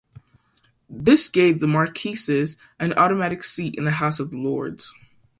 This gave the Marquesses an automatic seat in the House of Lords.